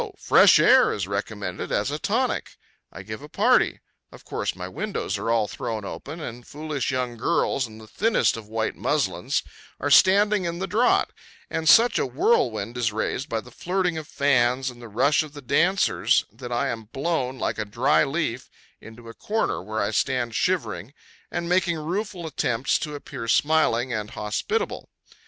fresh air is recommended as a tonic. I give a party; of course my windows are all thrown open, and foolish young girls, in the thinnest of white muslins, are standing in the draught; and such a whirlwind is raised by the flirting of fans, and the rush of the dancers, that I am blown, like a dry leaf, into a corner, where I stand shivering, and making rueful attempts to appear smiling and hospitable.